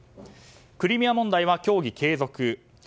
クリミア問題は協議継続。